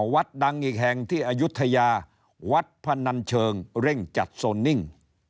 วัดดังอีกแห่งที่อายุทยาวัดพนันเชิงเร่งจัดโซนนิ่ง